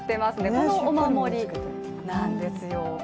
このお守りなんですよ。